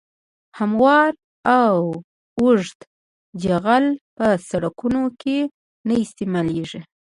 هموار او اوږد جغل په سرکونو کې نه استعمالیږي